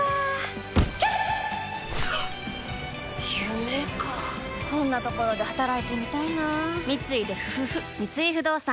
夢かこんなところで働いてみたいな三井不動産